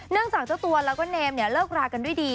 เนื่องจากเจ้าตัวแล้วก็เชอร์เอมเลิกรากันด้วยดี